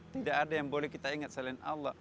tidak ada yang boleh kita ingat selain allah